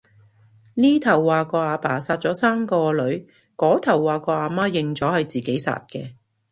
呢頭話個阿爸殺咗三個女，嗰頭話個阿媽認咗係自己殺嘅